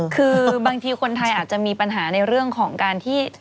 คือบางทีคนไทยอาจจะมีปัญหาในเรื่องของการที่